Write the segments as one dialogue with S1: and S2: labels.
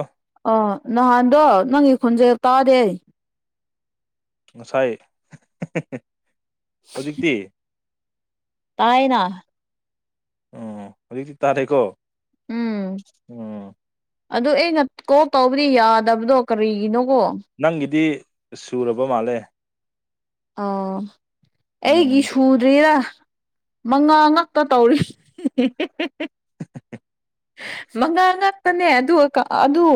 S1: ꯑꯥ
S2: ꯑꯣ ꯅꯍꯥꯟꯗꯣ ꯅꯪꯒꯤ ꯈꯣꯟꯖꯦꯜ ꯇꯥꯗꯦ
S1: ꯉꯁꯥꯏ [unintelligible] ꯍꯧꯖꯤꯛꯇꯤ
S2: ꯇꯥꯏꯌꯦꯅꯥ
S1: ꯎꯝ ꯍꯧꯖꯤꯛꯇꯤ ꯇꯥꯔꯦꯀꯣ
S2: ꯎꯝ
S1: ꯎꯝ
S2: ꯑꯗꯨ ꯑꯩꯅ ꯀꯣꯜ ꯇꯧꯕꯗꯤ ꯌꯥꯗꯕꯗꯣ ꯀꯔꯤꯒꯤꯅꯣꯀꯣ?
S1: ꯅꯪꯒꯤꯗꯤ ꯁꯨꯔꯕ ꯃꯥꯜꯂꯦ
S2: ꯑꯧ
S1: ꯎꯝ
S2: ꯑꯩꯒꯤ ꯁꯨꯗ꯭ꯔꯤꯗꯥ ꯃꯉꯥ ꯉꯛꯇꯥ ꯇꯧꯔꯤ [unintelligible] ꯃꯉꯥ ꯉꯛꯇꯥꯅꯦ ꯑꯗꯨ ꯀꯥ ꯑꯗꯨ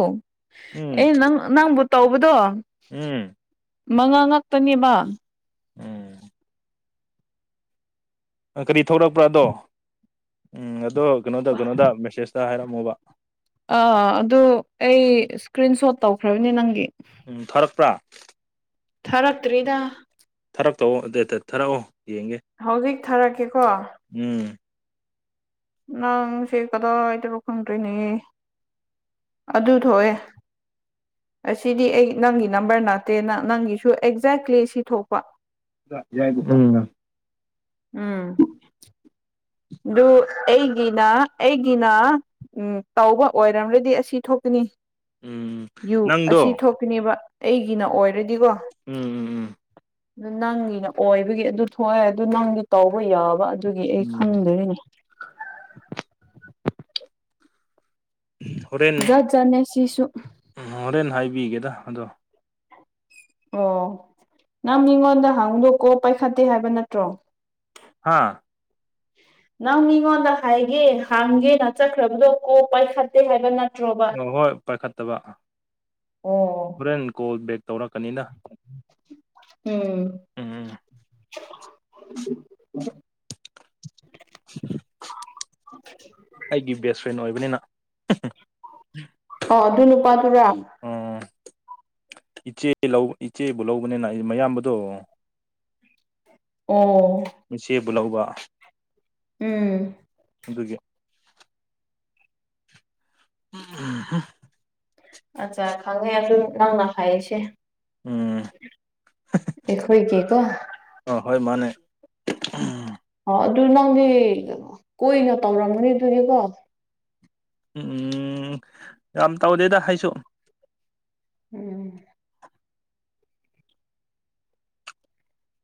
S1: ꯎꯝ
S2: ꯑꯩꯅ ꯅꯪ ꯅꯪꯕꯨ ꯇꯧꯕꯗꯣ
S1: ꯎꯝ
S2: ꯃꯉꯥ ꯉꯛꯇꯅꯦꯕ
S1: ꯎꯝ ꯑꯥ ꯀꯔꯤ ꯊꯣꯛꯔꯛꯄ꯭ꯔꯥ ꯑꯗꯣ ꯎꯝ ꯑꯗꯣ ꯀꯩꯅꯣꯗ ꯀꯩꯅꯣꯗ ꯃꯦꯁꯦꯖꯇꯥ ꯍꯥꯏꯔꯝꯃꯣꯕ
S2: ꯑꯥ ꯑꯗꯨ ꯑꯩ ꯁ꯭ꯀ꯭ꯔꯤꯟꯁꯣꯠ ꯇꯧꯈ꯭ꯔꯕꯅꯦ ꯅꯪꯒꯤ
S1: ꯎꯝ ꯊꯥꯔꯛꯄ꯭ꯔꯥ?
S2: ꯊꯥꯔꯛꯇ꯭ꯔꯤꯗ
S1: ꯊꯥꯔꯛ ꯇꯧꯑꯣ ꯑꯗꯦꯇꯦꯠ ꯊꯥꯔꯛꯑꯣ ꯌꯦꯡꯒꯦ
S2: ꯍꯧꯖꯤꯛ ꯊꯥꯔꯛꯀꯦꯀꯣ
S1: ꯎꯝ
S2: ꯅꯪ ꯁꯦ ꯀꯗꯥꯏꯗꯅꯣ ꯈꯪꯗ꯭ꯔꯦꯅꯦ ꯑꯗꯨ ꯊꯣꯛꯑꯦ ꯑꯁꯤꯗꯤ ꯑꯩ ꯅꯪꯒꯤ ꯅꯝꯕꯔ ꯅꯠꯇꯦꯅ ꯅꯪꯒꯤꯁꯨ ꯑꯦꯛꯖꯦꯛꯂꯤ ꯁꯤ ꯊꯣꯛꯄ
S1: ꯌꯥꯏ [unintelligible] ꯎꯝꯅ
S2: ꯎꯝ ꯗꯨ ꯑꯩꯒꯤꯅꯥ ꯑꯩꯒꯤꯅꯥ ꯎꯝ ꯇꯧꯕ ꯑꯣꯏ꯭ꯔꯝꯔꯗꯤ ꯑꯁꯤ ꯊꯣꯛꯀꯅꯤ
S1: ꯎꯝ
S2: ꯌꯨ
S1: ꯅꯪꯗꯣ
S2: ꯑꯁꯤ ꯊꯣꯛꯈꯤꯅꯦꯕ ꯑꯩꯒꯤꯅ ꯑꯣꯏꯔꯗꯤꯀꯣ
S1: ꯎꯝ ꯎꯝ ꯎꯝ
S2: ꯅꯪꯒꯤꯅ ꯑꯣꯏꯕꯒꯤ ꯑꯗꯨ ꯊꯣꯛꯑꯦ ꯑꯗꯨ ꯅꯪꯗꯤ ꯇꯧꯕ ꯌꯥꯕ ꯑꯗꯨꯒꯤ ꯑꯩ
S1: ꯎꯝ
S2: ꯈꯪꯗꯦꯅꯦ ꯖꯠꯖꯥꯠꯅꯦ ꯁꯤꯁꯨ
S1: ꯎꯝ ꯍꯣꯔꯦꯟ ꯍꯥꯏꯕꯤꯒꯦꯗ ꯑꯗꯣ
S2: ꯑꯣ ꯅꯪ ꯃꯤꯉꯣꯟꯗ ꯍꯥꯡꯗꯣꯛꯀꯣ ꯄꯥꯏꯈꯠꯇꯦ ꯍꯥꯏꯕ ꯅꯠꯇ꯭ꯔꯣ
S1: ꯍꯥꯥ
S2: ꯅꯪ ꯃꯤꯉꯣꯟꯗ ꯍꯥꯏꯒꯦ ꯍꯥꯡꯒꯦꯅ ꯆꯠꯈ꯭ꯔꯕꯗꯣ ꯀꯣ ꯄꯥꯏꯈꯠꯇꯦ ꯍꯥꯏꯕ ꯅꯠ
S1: ꯑꯣ ꯍꯣꯏ ꯄꯥꯏꯈꯠꯇꯕ
S2: ꯑꯣ
S1: ꯍꯣꯔꯦꯟ ꯀꯣꯜ ꯕꯦꯛ ꯇꯧꯔꯛꯀꯅꯤꯅ
S2: ꯎꯝ
S1: ꯎꯝ ꯎꯝ [unintelligible] ꯑꯩꯒꯤ ꯕꯦꯁ ꯐ꯭ꯔꯦꯟ ꯑꯣꯏꯕꯅꯤꯅ
S2: ꯑꯣ ꯑꯗꯨ ꯅꯨꯄꯥꯗꯨꯔꯥ
S1: ꯑꯣ ꯏꯆꯦ ꯂꯧ ꯏꯆꯦꯕꯨ ꯂꯧꯕꯅꯤꯅ ꯑꯩ ꯃꯌꯥꯝꯕꯗꯣ
S2: ꯑꯣ
S1: ꯏꯆꯦꯕꯨ ꯂꯧꯕ
S2: ꯎꯝ
S1: ꯑꯗꯨꯒꯤ ꯑꯥꯍꯥ [unintelligible]
S2: ꯑꯠꯆꯥ ꯈꯪꯉꯦ ꯑꯗꯨꯝ ꯅꯪꯅ ꯍꯥꯏꯔꯤꯁꯦ
S1: ꯎꯝ [unintelligible]
S2: ꯑꯩꯈꯣꯏꯒꯤꯀꯣ
S1: ꯍꯣꯏ ꯃꯥꯟꯅꯦ
S2: ꯑꯣ ꯑꯗꯨ ꯅꯪꯗꯤ ꯀꯣꯏꯅ ꯇꯧꯔꯝꯒꯅꯤ ꯑꯗꯨꯗꯤꯀꯣ
S1: ꯎꯝ ꯌꯥꯝ ꯇꯧꯗꯦꯗ ꯑꯩꯁꯨ
S2: ꯎꯝ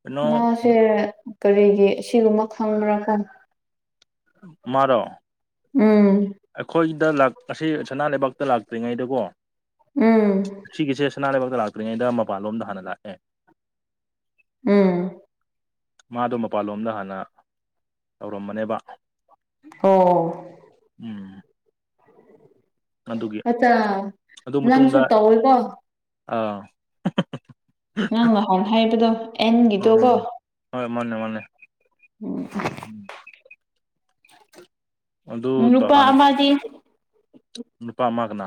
S1: ꯀꯩꯅꯣ
S2: ꯃꯥꯁꯦ ꯀꯔꯤꯒꯤ ꯑꯁꯤꯒꯨꯝꯕ ꯈꯪꯕ꯭ꯔꯥ ꯈꯪ
S1: ꯃꯥꯔꯣ
S2: ꯎꯝ
S1: ꯑꯩꯈꯣꯏꯗ ꯂꯥꯛ ꯑꯁꯤ ꯁꯅꯥ ꯂꯩꯕꯥꯛꯇ ꯂꯥꯛꯇ꯭ꯔꯤꯉꯩꯗꯀꯣ
S2: ꯎꯝ
S1: ꯁꯤꯒꯤꯁꯦ ꯁꯅꯥ ꯂꯩꯕꯛꯇ ꯂꯥꯛꯇ꯭ꯔꯤꯉꯩꯗ ꯃꯄꯥꯟꯂꯣꯝꯗ ꯍꯥꯟꯅ ꯂꯥꯛꯈꯔ꯭ꯦ
S2: ꯎꯝ
S1: ꯃꯥꯗꯣ ꯃꯄꯥꯟꯂꯣꯝꯗ ꯍꯥꯟꯅ ꯇꯧꯔꯝꯕꯅꯦꯕ
S2: ꯍꯣ
S1: ꯎꯝ [unintelligible] ꯑꯗꯨꯒꯤ
S2: ꯑꯠꯆꯥ
S1: ꯑꯗꯨ
S2: ꯅꯪꯁꯨ
S1: ꯃꯇꯨꯡꯗ
S2: ꯇꯧꯋꯦꯀꯣ
S1: ꯑꯥ [unintelligible]
S2: ꯅꯪ ꯉꯥꯍꯥꯟ ꯍꯥꯏꯕꯗꯣ ꯑꯦꯟꯒꯤꯗꯣ ꯀꯣ
S1: ꯎꯝ ꯍꯣꯏ ꯃꯥꯟꯅꯦ ꯃꯥꯟꯅꯦ
S2: ꯎꯝ
S1: ꯑꯗꯨ
S2: ꯎꯝ ꯔꯨꯄꯥ
S1: ꯍꯥꯟꯅ
S2: ꯑꯃꯗꯤ
S1: ꯅꯨꯄꯥ ꯃꯥꯒꯅ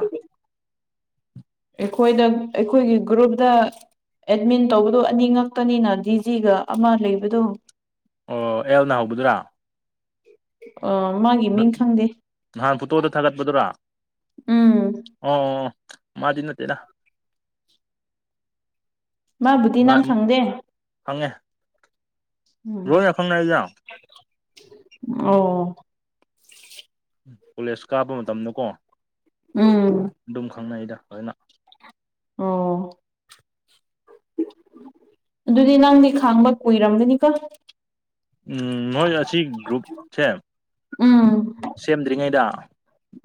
S2: ꯑꯦꯈꯣꯏꯗ ꯑꯩꯈꯣꯏꯒꯤ ꯒ꯭ꯔꯨꯞꯇ ꯑꯦꯗꯃꯤꯟ ꯇꯧꯕꯗꯣ ꯑꯅꯤ ꯉꯛꯇꯅꯤꯅ ꯗꯤꯖꯤꯒ ꯑꯃ ꯂꯩꯕꯗꯣ
S1: ꯑꯣ ꯑꯦꯜꯅ ꯍꯧꯕꯗꯨꯔꯥ
S2: ꯑꯥ ꯃꯥꯒꯤ ꯃꯤꯡ
S1: [unintelligible]
S2: ꯈꯪꯗꯦ
S1: ꯅꯍꯥꯟ ꯐꯣꯇꯣꯗ ꯊꯥꯒꯠꯄꯗꯨꯔꯥ
S2: ꯎꯝ
S1: ꯑꯣ [unintelligible] ꯃꯥꯗꯤ ꯅꯠꯇꯦꯗ
S2: ꯃꯥꯕꯨꯗꯤ
S1: ꯃꯥ
S2: ꯅꯪ ꯈꯪꯗꯦ
S1: ꯈꯪꯉꯦ ꯅꯣꯏꯅ ꯈꯪꯅꯩꯗ
S2: ꯑꯣ
S1: ꯀꯣꯂꯦꯖ ꯀꯥꯕ ꯃꯇꯝꯗ ꯀꯣ
S2: ꯎꯝ
S1: ꯑꯗꯨꯨꯝ ꯈꯪꯅꯩꯗ ꯂꯣꯏꯅ
S2: ꯑꯣ [unintelligible] ꯑꯗꯨꯗꯤ ꯅꯪꯗꯤ ꯈꯡꯕ ꯀꯨꯏꯔꯝꯒꯅꯤꯀꯣ
S1: ꯎꯝ ꯃꯣꯏ ꯑꯁꯤ ꯒ꯭ꯔꯨꯞꯁꯦ
S2: ꯎꯝ
S1: ꯁꯦꯝꯗ꯭ꯔꯤꯉꯩꯗ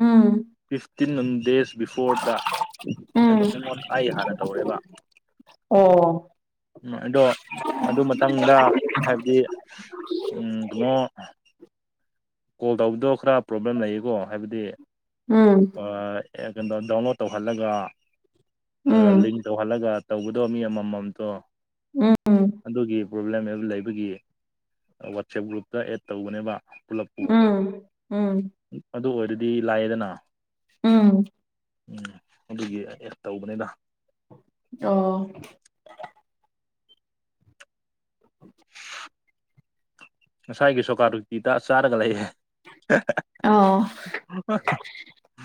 S2: ꯎꯝ
S1: ꯐꯤꯐꯇꯤꯟ ꯗꯦꯖ ꯕꯤꯐꯣꯔꯗ
S2: ꯎꯝ
S1: ꯑꯩꯉꯣꯟ ꯑꯩ ꯍꯥꯟꯅ ꯇꯧꯔꯦꯕ
S2: ꯑꯣ
S1: ꯎꯝ ꯑꯗꯣ ꯑꯗꯨ ꯃꯇꯝꯗ ꯍꯥꯏꯕꯗꯤ ꯀꯨꯅꯣ ꯀꯣꯜ ꯇꯧꯕꯗꯣ ꯈꯔ ꯄ꯭ꯔꯣꯕ꯭ꯂꯦꯝ ꯂꯩꯌꯦꯀꯣ ꯍꯥꯏꯕꯗꯤ
S2: ꯎꯝ
S1: ꯑꯦ [unintelligible] ꯀꯩꯅꯣ ꯗꯥꯎꯟꯂꯣꯗ ꯇꯧꯍꯜꯂꯒ
S2: ꯎꯝ
S1: ꯂꯤꯡ ꯇꯧꯍꯜꯂꯒ ꯇꯧꯕꯗꯣ ꯃꯤ ꯑꯃꯃꯝꯇꯣ
S2: ꯎꯝ
S1: ꯑꯗꯨꯒꯤ ꯄ꯭ꯔꯣꯕ꯭ꯂꯦꯝ ꯌꯥꯝ ꯂꯩꯕꯒꯤ ꯋꯥꯠꯆꯦꯞ ꯒ꯭ꯔꯨꯞꯇ ꯑꯦꯗ ꯇꯧꯕꯅꯦꯕ ꯄꯨꯂꯞ ꯀꯤ
S2: ꯎꯝ ꯎꯝ
S1: ꯑꯗꯨ ꯑꯣꯏꯔꯗꯤ ꯂꯥꯏꯑꯦꯗꯅ
S2: ꯎꯝ
S1: [unintelligible] ꯑꯗꯨꯒꯤ ꯑꯦꯠ ꯇꯧꯕꯅꯦꯗ
S2: ꯑꯣ [inaudible]
S1: ꯉꯁꯥꯏꯒꯤ ꯁꯣꯀꯥ ꯔꯨꯇꯤꯗ ꯆꯥꯔꯒ ꯂꯩꯌꯦ [unintelligible]
S2: ꯑꯣ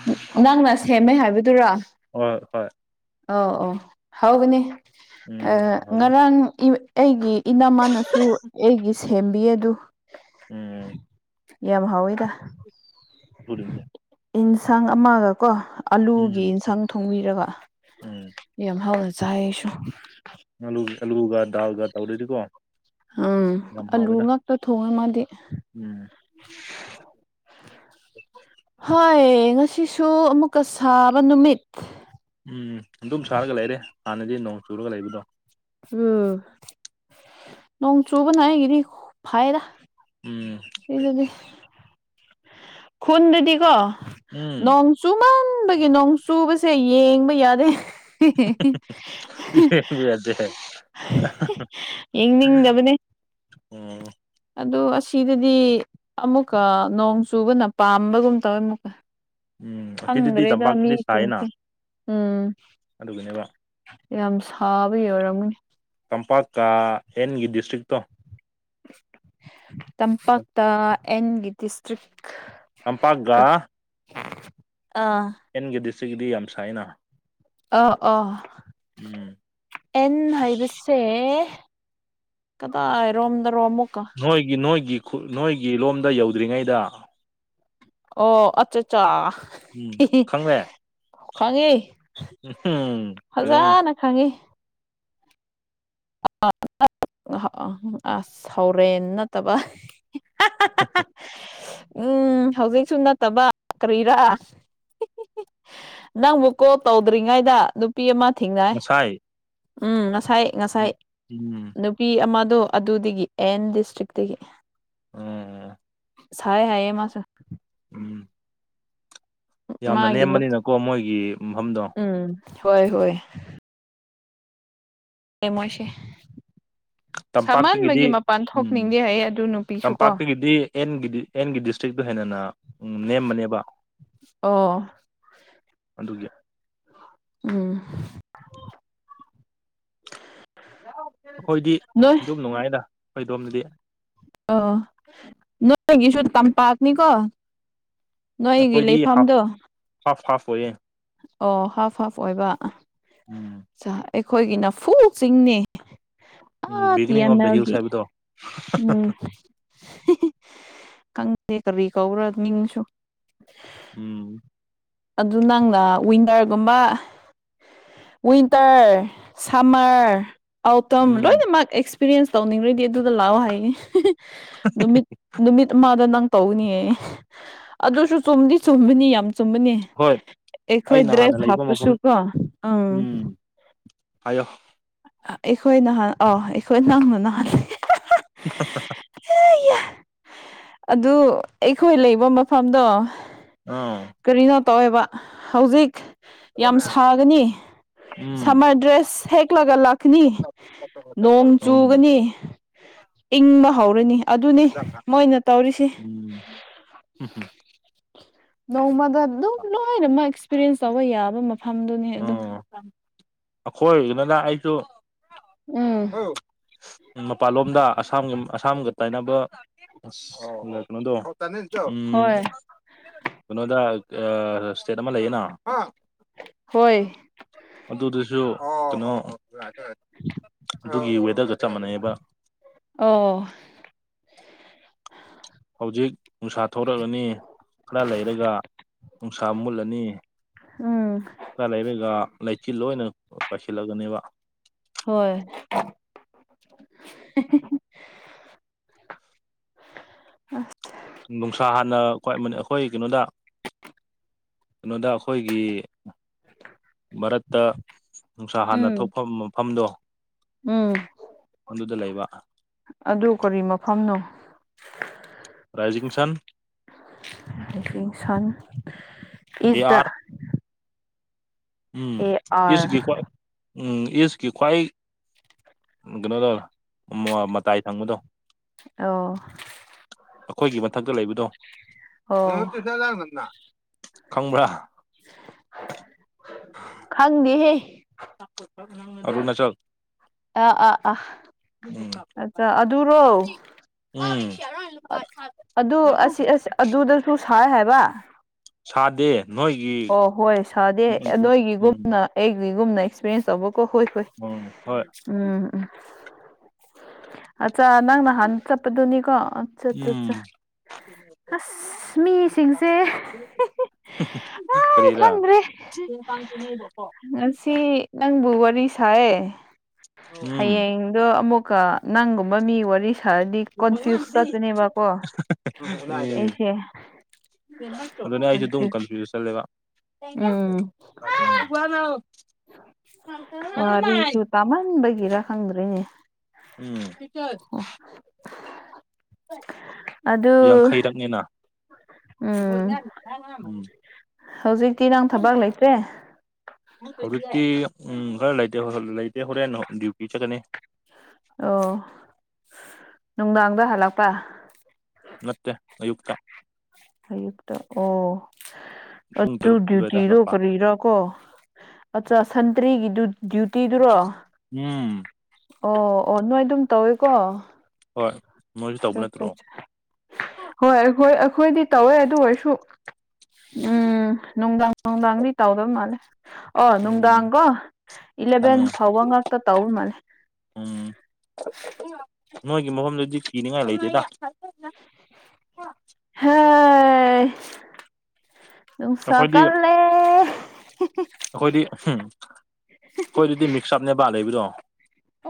S2: [unintelligible] ꯅꯪꯅ ꯁꯦꯝꯃꯦ ꯍꯥꯏꯕꯗꯨꯔꯣ
S1: ꯍꯣꯏ ꯍꯣꯏ
S2: ꯑꯧ ꯑꯣ ꯍꯥꯎꯒꯅꯤ
S1: ꯎꯝ ꯍꯥꯎꯕꯅꯤ
S2: ꯉꯔꯥꯡ ꯏ ꯑꯩꯒꯤ ꯏꯅꯝꯃꯅꯁꯨ ꯑꯩꯒꯤ ꯁꯦꯝꯕꯤꯌꯦ ꯑꯗꯨ
S1: ꯎꯝ
S2: [unintelligible] ꯌꯥꯝ ꯍꯥꯎꯋꯦꯗ ꯏꯟꯁꯥꯡ ꯑꯃꯒ ꯀꯣ
S1: ꯎꯝ
S2: ꯑꯂꯨꯒꯤ ꯏꯟꯁꯥꯡ ꯊꯣꯡꯕꯤꯔꯒ
S1: ꯎꯝ
S2: [unintelligible] ꯌꯥꯝ ꯍꯥꯎꯅ ꯆꯥꯏ ꯑꯩꯁꯨ
S1: ꯑꯂꯨ ꯑꯂꯨꯒ ꯗꯥꯜꯒ ꯇꯧꯔꯗꯤꯀꯣ
S2: ꯎꯝ
S1: ꯌꯥꯝ
S2: ꯑꯂꯨ
S1: ꯍꯥꯎꯋꯦꯗ
S2: ꯉꯥꯛꯇ ꯊꯣꯡꯉꯦ ꯃꯥꯗꯤ꯫
S1: [unintelligible]
S2: ꯍꯣꯏ ꯉꯁꯤꯁꯨ ꯑꯃꯨꯛꯀ ꯁꯥꯕ ꯅꯨꯃꯤꯠ
S1: ꯎꯝ ꯑꯗꯨꯝ ꯁꯥꯔꯒ ꯂꯩꯔꯦ ꯍꯥꯟꯅꯗꯤ ꯅꯣꯡ ꯆꯨꯔꯒ ꯂꯩꯕꯗꯣ꯫
S2: ꯎꯝ ꯅꯣꯡ ꯆꯨꯕꯅ ꯑꯩꯒꯤꯅꯤ ꯐꯩꯗ꯫
S1: ꯎꯝ
S2: ꯁꯤꯗꯗꯤ ꯈꯨꯟꯗꯗꯤꯀꯣ
S1: ꯎꯝ
S2: ꯅꯣꯡ ꯆꯨꯃꯟꯕꯒꯤ ꯅꯣꯡ ꯆꯨꯕꯁꯦ ꯌꯦꯡꯕ ꯌꯥꯗꯦ꯫
S1: ꯌꯦꯡꯕ ꯌꯥꯗꯦ
S2: ꯌꯦꯡꯅꯤꯡꯗꯕꯅꯦ
S1: ꯑꯣ
S2: ꯑꯗꯨ ꯑꯁꯤꯗꯗꯤ ꯑꯃꯨꯛꯀ ꯅꯣꯡ ꯆꯨꯕꯅ ꯄꯥꯝꯕꯒꯨꯝ ꯇꯧꯋꯦ ꯑꯃꯨꯛꯀ꯫
S1: ꯎꯝ ꯑꯁꯤꯗꯗꯤ
S2: ꯈꯪꯗ꯭ꯔꯦꯗ
S1: ꯇꯝꯄꯥꯛꯇꯗꯤ ꯁꯥꯏꯅ
S2: ꯃꯤꯁꯤꯡꯁꯦ ꯎꯝ
S1: ꯑꯗꯨꯒꯤꯅꯦꯕ
S2: ꯌꯥꯝ ꯁꯥꯕꯒꯤ ꯑꯣꯏꯔꯝꯒꯅꯤ
S1: ꯇꯝꯄꯥꯛꯀꯥ ꯍꯦꯟꯒꯤ ꯗꯤꯁꯇ꯭ꯔꯤꯛꯇꯣ
S2: ꯇꯝꯄꯥꯛꯇ ꯑꯦꯟꯒꯤ ꯗꯤꯁꯇ꯭ꯔꯤꯛ
S1: ꯇꯝꯄꯥꯛꯒ
S2: ꯑꯥ
S1: ꯑꯦꯟꯒꯤ ꯗꯤꯁꯇ꯭ꯔꯤꯛꯀꯤꯗꯤ ꯌꯥꯝ ꯁꯥꯏꯅ
S2: ꯑ ꯑꯣ
S1: ꯎꯝ
S2: ꯑꯦꯟ ꯍꯥꯏꯕꯁꯦ ꯀꯗꯥꯏꯔꯣꯝꯗꯔꯣ ꯑꯃꯨꯛꯀ
S1: ꯅꯣꯏꯒꯤ ꯅꯣꯏꯒꯤ ꯈꯨ ꯅꯣꯏꯒꯤ ꯂꯣꯝꯗ ꯌꯧꯗ꯭ꯔꯤꯉꯩꯗ
S2: ꯑꯣ ꯑꯆꯥ ꯆꯥ
S1: ꯎꯝ ꯈꯪꯂꯦ
S2: ꯈꯥꯡꯉꯦ
S1: ꯎꯝ ꯑꯗꯨꯅ
S2: ꯐꯖꯅ ꯈꯥꯡꯉꯤ꯫ [unintelligible] ꯑ ꯑꯁ ꯍꯧꯔꯦꯟ ꯅꯠꯇꯕ [unintelligible] ꯎꯝ ꯍꯧꯖꯤꯛꯁꯨ ꯅꯠꯇꯕ ꯀꯔꯤꯔꯥ? ꯅꯪꯕꯨ ꯀꯣꯜ ꯇꯧꯗ꯭ꯔꯤꯉꯩꯗ ꯅꯨꯄꯤ ꯑꯃ ꯊꯦꯡꯅꯥꯏ
S1: ꯉꯁꯥꯏ
S2: ꯎꯝ ꯉꯁꯥꯏ ꯉꯁꯥꯏ
S1: ꯎꯝ
S2: ꯅꯨꯄꯤ ꯑꯃꯗꯣ ꯑꯗꯨꯗꯒꯤ ꯑꯦꯟ ꯗꯤꯁꯇ꯭ꯔꯤꯛꯇꯒꯤ
S1: ꯑꯣ
S2: ꯁꯥꯏ ꯍꯥꯏꯌꯦ ꯃꯥꯁꯨ꯫
S1: ꯎꯝ ꯌꯥꯝꯅ
S2: ꯃꯥꯒꯤ ꯅꯨ
S1: ꯅꯦꯝꯕꯅꯤꯅꯀꯣ ꯃꯣꯏꯒꯤ ꯃꯐꯝꯗꯣ
S2: ꯎꯝ ꯍꯣꯏ ꯍꯣꯏ ꯑꯦꯃꯣꯏꯁꯦ
S1: ꯇꯝꯄꯥꯛꯇꯒꯤꯗꯤ ꯎꯝ
S2: ꯑꯗꯨ ꯅꯨꯄꯤꯁꯨ ꯀꯣ
S1: ꯇꯝꯄꯥꯛꯇꯒꯤꯗꯤ ꯑꯦꯟꯒꯤ ꯑꯦꯟꯒꯤ ꯗꯤꯁꯇ꯭ꯔꯤꯛꯇꯣ ꯍꯦꯟꯅꯅ ꯎꯝ ꯅꯦꯝꯕꯅꯦꯕ
S2: ꯑꯣ
S1: ꯑꯗꯨꯒꯤ
S2: ꯎꯝ
S1: ꯑꯈꯣꯏꯗꯤ
S2: ꯅꯣꯏ
S1: ꯑꯗꯨꯝ ꯅꯨꯡꯉꯥꯏꯗ ꯑꯈꯣꯏꯗꯣꯝꯗꯗꯤ
S2: ꯑꯣ ꯑꯣ ꯅꯣꯏꯒꯤꯁꯨ ꯇꯝꯄꯥꯛꯅꯤꯀꯣ ꯅꯣꯏꯒꯤ
S1: ꯑꯩꯈꯣꯏꯗꯤ ꯍꯥꯐ
S2: ꯂꯩꯐꯝꯗꯣ
S1: ꯍꯥꯐ ꯍꯥꯐ ꯑꯣꯏꯌꯦ
S2: ꯑꯣ ꯍꯥꯐ ꯍꯥꯐ ꯑꯣꯏꯕ
S1: ꯎꯝ
S2: ꯆꯥ ꯑꯩꯈꯣꯏꯒꯤꯅ ꯐꯨꯜ ꯆꯤꯡꯅꯤ
S1: ꯎꯝ
S2: ꯑꯥ the
S1: beginning
S2: M
S1: of the hills
S2: ꯑꯦꯜꯒꯤ
S1: ꯍꯥꯏꯕꯗꯣ
S2: [unintelligible] ꯈꯪꯗꯦ ꯀꯔꯤ ꯀꯧꯕ꯭ꯔꯥ ꯃꯤꯡꯁꯨ [inaudible]
S1: ꯎꯝ
S2: ꯑꯗꯨ ꯅꯪꯅ ꯋꯤꯟꯇꯔꯒꯨꯝꯕ ꯋꯤꯟꯇꯔ ꯁꯝꯃꯔ ꯑꯥꯎꯇꯝ
S1: ꯎꯝ
S2: ꯂꯣꯏꯅꯃꯛ ꯑꯦꯛꯁꯄꯤꯔꯤꯌꯦꯟꯁ ꯇꯧꯅꯤꯡꯈ꯭ꯔꯗꯤ ꯑꯗꯨꯗ ꯂꯥꯛꯑꯣ ꯍꯥꯏꯌꯦ ꯅꯨꯃꯤꯠ ꯅꯨꯃꯤꯠ ꯑꯃꯗ ꯅꯪ ꯇꯧꯒꯅꯤꯑꯌꯦ ꯑꯗꯨꯁꯨ ꯆꯨꯝꯗꯤ ꯆꯨꯝꯕꯅꯤ ꯌꯥꯝ ꯆꯨꯝꯕꯅꯦ
S1: ꯍꯣꯏ ꯑꯩꯅ ꯍꯥꯟꯅ ꯂꯩꯕ ꯃꯐꯝ ꯎꯝ ꯍꯥꯏꯌꯣ
S2: ꯑ ꯑꯩꯈꯣꯏ ꯅꯍꯥꯟ ꯑꯥ ꯑꯩꯈꯣꯏ ꯅꯪꯅ ꯅꯍꯜꯂꯦ
S1: [unintelligible]
S2: ꯑꯗꯨ ꯑꯩꯈꯣꯏ ꯂꯩꯕ ꯃꯐꯝꯗꯣ
S1: ꯑꯝ
S2: ꯀꯔꯤꯅꯣ ꯇꯧꯋꯦꯕꯥ ꯍꯧꯖꯤꯛ ꯌꯥꯝ ꯁꯥꯒꯅꯤ
S1: ꯎꯝ
S2: ꯁꯥꯃꯔ ꯗ꯭ꯔꯦꯁ ꯁꯦꯛꯂꯒ ꯂꯥꯛꯀꯅꯤ ꯅꯣꯡ ꯆꯨꯒꯅꯤ ꯏꯪꯕ ꯍꯧꯔꯅꯤ ꯑꯗꯨꯅꯤ ꯃꯣꯏꯅ ꯇꯧꯔꯤꯁꯤ
S1: ꯎꯝ ꯎꯝ
S2: ꯅꯣꯡꯃꯗ ꯑꯗꯨꯝ ꯂꯣꯏꯅꯃꯛ ꯑꯦꯛꯁꯄꯔꯤꯌꯦꯟꯁ ꯇꯧꯕ ꯌꯥꯕ ꯃꯐꯝꯗꯨꯅꯤ ꯑꯗꯨ
S1: ꯑꯈꯣꯏꯒꯤꯗꯅ ꯑꯩꯖꯨ
S2: ꯎꯝ
S1: ꯑꯧ ꯎꯝ ꯃꯄꯥꯜꯂꯣꯝꯗ ꯑꯁꯥꯝꯒ ꯑꯁꯥꯝꯒ ꯇꯥꯏꯅꯕ ꯑꯁ ꯀꯩꯅꯣꯗꯣ [unintelligible] ꯎꯝ
S2: ꯍꯣꯏ
S1: ꯀꯩꯅꯣꯗ ꯑꯥ ꯁ꯭ꯇꯦꯠ ꯑꯃ ꯂꯩꯌꯦꯅꯥ
S2: ꯍꯣꯏ
S1: ꯑꯗꯨꯗꯨꯁꯨ ꯀꯩꯅꯣ ꯑꯗꯨꯒꯤ ꯋꯦꯗꯔꯒ ꯆꯞ ꯃꯥꯟꯅꯩꯑꯦꯕꯥ
S2: ꯑꯣ
S1: ꯍꯧꯖꯤꯛ ꯅꯨꯡꯁꯥ ꯊꯣꯛꯔꯛꯔꯅꯤ ꯈꯔ ꯂꯩꯔꯒ ꯅꯨꯡꯁꯥ ꯃꯨꯠꯂꯅꯤ
S2: ꯎꯝ
S1: ꯈꯔ ꯂꯩꯔꯒ ꯂꯩꯆꯤꯜ ꯂꯣꯏꯅ ꯄꯥꯏꯁꯤꯜꯂꯛꯑꯅꯦꯕꯥ
S2: ꯍꯣꯏ [unintelligible]
S1: ꯅꯨꯡꯁꯥ ꯍꯥꯟꯅ ꯈ꯭ꯋꯥꯏ ꯃꯅ ꯑꯩꯈꯣꯏ ꯀꯩꯅꯣꯗ ꯀꯩꯅꯣꯗ ꯑꯩꯈꯣꯏꯒꯤ ꯃꯔꯛꯇ ꯅꯨꯡꯁꯥ ꯍꯥꯟꯅ
S2: ꯎꯝ
S1: ꯊꯣꯛꯐꯝ ꯃꯐꯝꯗꯣ
S2: ꯎꯝ
S1: ꯑꯗꯨꯗ ꯂꯩꯕ
S2: ꯑꯗꯨ ꯀꯔꯤ ꯃꯐꯝꯅꯣ
S1: ꯔꯥꯏꯖꯤꯡ ꯁꯟ
S2: [unintelligible]
S1: ꯑꯦ
S2: ꯏꯖꯗ
S1: ꯑꯥꯔ ꯎꯝ
S2: ꯑꯦ
S1: [unintelligible]
S2: ꯑꯥꯔ
S1: ꯎꯝ ꯑꯦꯁꯀꯤ ꯈ꯭ꯋꯥꯏ ꯎꯝ ꯀꯩꯅꯣꯗ ꯃꯨꯋꯥ ꯃꯇꯥꯏ ꯊꯪꯕꯗꯣ
S2: ꯑꯣ
S1: ꯑꯥꯈꯣꯏꯒꯤ ꯃꯊꯛꯇ ꯂꯩꯕꯗꯣ
S2: ꯑꯣ
S1: [unintelligible] ꯈꯪꯕ꯭ꯔꯥ
S2: ꯈꯪꯗꯦꯍꯦ
S1: [unintelligible] ꯑꯥꯔꯨꯅꯥꯆꯜ
S2: ꯑꯥ ꯑꯥ ꯑꯥ
S1: ꯎꯝ
S2: ꯑꯠꯆꯥ ꯑꯗꯨꯔꯣ
S1: ꯎꯝ [unintelligible]
S2: ꯇꯨ ꯁꯥꯏ ꯍꯥꯏꯕ
S1: ꯁꯥꯗꯦ ꯅꯣꯏꯒꯤ
S2: ꯑꯣ ꯍꯣꯏ ꯁꯥꯗꯦ
S1: ꯎꯝ
S2: ꯅꯣꯏꯒꯤꯒꯨꯝꯅ ꯑꯩꯒꯤꯒꯨꯝꯅ ꯑꯦꯛꯁꯄꯤꯔꯦꯟꯁ ꯇꯧꯕꯀꯣ ꯍꯣꯏ ꯍꯣꯏ
S1: ꯎꯝ ꯍꯣꯏ
S2: ꯎꯝ ꯎꯝ ꯑꯠꯆꯥ ꯅꯪ ꯅꯍꯥꯟ ꯆꯠꯄꯗꯨꯅꯤꯀꯣ ꯆꯠ ꯆꯠ
S1: ꯎꯝ
S2: ꯆꯥ ꯑꯁ ꯃꯤꯁꯤꯡꯁꯦ
S1: [unintelligible]
S2: ꯑꯩ
S1: ꯀꯔꯤꯔꯥ
S2: ꯈꯪꯗ꯭ꯔꯦ
S1: ꯁꯀ꯭ꯨꯜ
S2: ꯉꯁꯤ ꯅꯪꯕꯨ
S1: [unintelligible] ꯎꯝ
S2: ꯍꯥꯌꯦꯡꯗꯣ ꯑꯃꯨꯛꯀ ꯅꯪꯒꯨꯝꯕ ꯃꯤ ꯋꯥꯔꯤ ꯁꯥꯔꯗꯤ ꯀꯣꯟꯐ꯭ꯌꯨꯁ ꯆꯠꯄꯅꯦꯕꯀꯣ
S1: ꯎꯝ
S2: ꯑꯩꯁꯦ
S1: ꯑꯗꯨꯅꯦ ꯑꯩꯖꯨ ꯑꯗꯨꯝ ꯀꯟꯐ꯭ꯌꯨꯁ ꯆꯠꯂꯦꯕ
S2: ꯎꯝ
S1: [unintelligible]
S2: ꯋꯥꯔꯤꯁꯨ ꯇꯥꯃꯟꯕꯒꯤꯔ ꯈꯪꯗ꯭ꯔꯦ
S1: ꯎꯝ [unintelligible]
S2: ꯑꯗꯨ
S1: ꯌꯥꯡꯈꯩꯔꯛꯅꯤꯅ
S2: ꯎꯝ
S1: [unintelligible]
S2: ꯍꯧꯖꯤꯛꯇꯤ ꯅꯪ ꯊꯕꯛ ꯂꯩꯇ꯭ꯔꯦ
S1: ꯍꯧꯖꯤꯛꯇꯤ ꯎꯝ ꯈꯔ ꯂꯩꯇꯦ ꯍꯣ ꯂꯩꯇꯦ ꯍꯣꯔꯦꯟ ꯍꯣ ꯗ꯭ꯌꯨꯇꯤ ꯆꯠꯀꯅꯤ
S2: ꯑꯣ ꯅꯨꯡꯗꯥꯡꯗ ꯍꯜꯂꯛꯄ
S1: ꯅꯠꯇꯦ ꯑꯌꯨꯛꯇ
S2: ꯑꯌꯨꯛꯇ ꯑꯣ
S1: ꯄꯨꯡ
S2: ꯑꯗꯨ
S1: ꯇꯔꯨꯛ ꯑꯗꯨꯋꯥꯏꯗ
S2: ꯗ꯭ꯌꯨꯇꯤꯗꯨ
S1: ꯍꯜꯂꯛꯄ
S2: ꯀꯔꯤꯔꯥ ꯀꯣ ꯑꯠꯆꯥ ꯁꯟꯇ꯭ꯔꯤꯒꯤꯗꯨ ꯗ꯭ꯌꯨꯇꯤꯗꯨꯔꯣ
S1: ꯎꯝ
S2: ꯑꯣ ꯑꯣ ꯅꯣꯏ ꯑꯗꯨꯝ ꯇꯧꯋꯦꯀꯣ
S1: ꯍꯣꯏ ꯅꯣꯏꯁꯨ ꯇꯧꯕ
S2: ꯆꯠ
S1: ꯅꯠꯇ꯭ꯔꯣ
S2: ꯆꯠ ꯆꯥ ꯍꯣꯏ ꯑꯩꯈꯣꯏ ꯑꯩꯈꯣꯏꯗꯤ ꯇꯧꯋꯦ ꯑꯗꯨ ꯑꯣꯏꯔꯁꯨ ꯎꯝ ꯅꯨꯡꯗꯥꯡ ꯅꯨꯡꯗꯥꯡꯗꯤ ꯇꯧꯔꯃꯥꯜꯂꯦ ꯑꯣ
S1: ꯎꯝ
S2: ꯅꯨꯡꯗꯥꯡꯀꯣ ꯏꯂꯥꯚꯦꯟ
S1: ꯎꯝ
S2: ꯐꯥꯎꯕ ꯉꯥꯛꯇ ꯇꯧꯕ ꯃꯥꯜꯂꯦ
S1: ꯎꯝ ꯅꯣꯏꯒꯤ ꯃꯐꯝꯗꯨꯗꯤ ꯀꯤꯅꯤꯡꯉꯥꯏ ꯂꯩꯇꯦꯗ
S2: ꯍꯥꯏ ꯅꯨꯡꯁꯥ
S1: ꯑꯩꯈꯣꯏꯗꯤ
S2: ꯀꯜꯂꯦ [unintelligible]
S1: ꯑꯩꯈꯣꯏꯗꯤ ꯍꯨꯝ ꯑꯩꯈꯣꯏꯗꯗꯤ ꯃꯤꯛꯁ ꯑꯞꯅꯦꯕ ꯂꯩꯕꯗꯣ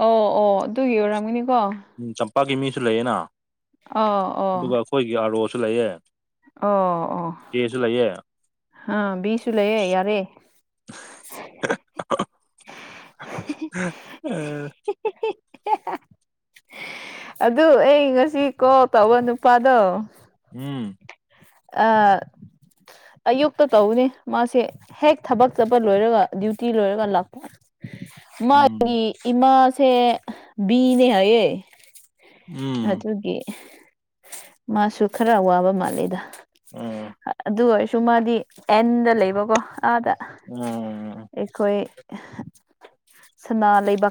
S2: ꯑꯣ ꯑꯣ ꯑꯗꯨꯒꯤ ꯑꯣꯏꯔꯝꯒꯅꯤꯀꯣ
S1: ꯎꯝ ꯆꯝꯄꯥꯛꯀꯤ ꯃꯤꯁꯨ ꯂꯩꯌꯦꯅ
S2: ꯑꯥꯎ ꯑꯣ
S1: ꯑꯗꯨꯒ ꯑꯩꯈꯣꯏꯒꯤ ꯑꯥꯔꯣꯁꯨ ꯂꯩꯌꯦ
S2: ꯑꯣ ꯑꯣ
S1: ꯑꯦꯁꯨ ꯂꯩꯌꯦ
S2: ꯑꯥ ꯕꯤꯁꯨ ꯂꯩꯌꯦ ꯌꯥꯔꯦ
S1: [unintelligible]
S2: ꯍꯦ ꯍꯦ ꯑꯗꯨ ꯑꯩ ꯉꯁꯤ ꯀꯣꯜ ꯇꯧꯕ ꯅꯨꯄꯥꯗꯣ
S1: ꯎꯝ
S2: ꯑꯥ ꯑꯌꯨꯛꯇ ꯇꯧꯕꯅꯦ ꯃꯥꯁꯦ ꯍꯦꯛ ꯊꯕꯛ ꯆꯠꯄ ꯂꯣꯏꯔꯒ ꯗ꯭ꯌꯨꯇꯤ ꯂꯣꯏꯔꯒ ꯂꯥꯛꯄ ꯃꯥꯒꯤ
S1: ꯎꯝ
S2: ꯏꯃꯥꯁꯦ ꯕꯤꯅꯦ ꯍꯥꯏꯌꯦ
S1: ꯎꯝ
S2: ꯑꯗꯨꯒꯤ ꯃꯥꯁꯨ ꯈꯔ ꯋꯥꯕ ꯃꯥꯜꯂꯤꯗ
S1: ꯎꯝ
S2: ꯑꯗꯨ ꯑꯣꯏꯔꯁꯨ ꯃꯥꯗꯤ ꯑꯦꯟꯗ ꯂꯩꯕꯀꯣ ꯑꯥꯗ
S1: ꯎꯝ
S2: ꯑꯩꯈꯣꯏ ꯁꯅꯥ ꯂꯩꯕꯥꯛ